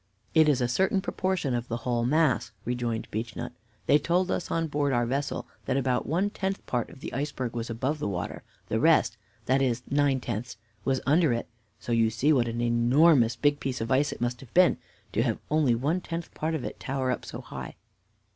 "It is a certain proportion of the whole mass," rejoined Beechnut. "They told us on board our vessel that about one tenth part of the iceberg was above the water; the rest that is, nine tenths was under it; so you see what an enormous big piece of ice it must have been to have only one tenth part of it tower up so high.